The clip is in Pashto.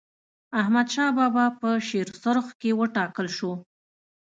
احمدشاه بابا په شیرسرخ کي و ټاکل سو.